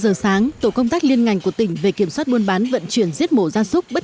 ba giờ sáng tổ công tác liên ngành của tỉnh về kiểm soát buôn bán vận chuyển giết mổ ra súc bất